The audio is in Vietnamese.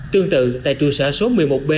tương tự tại trụ sở số một mươi một b